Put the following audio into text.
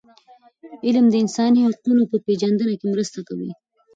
علم د انساني حقونو په پېژندنه کي مرسته کوي.